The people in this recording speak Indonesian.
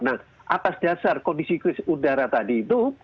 nah atas dasar kondisi krisis udara tadi itu